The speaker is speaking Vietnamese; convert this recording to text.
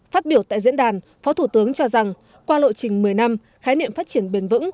phát biểu tại diễn đàn phó thủ tướng cho rằng qua lộ trình một mươi năm khái niệm phát triển bền vững